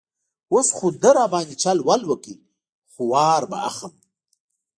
اوس خو ده را باندې چل وکړ، خو وار به اخلم.